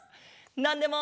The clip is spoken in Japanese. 「なんでも」！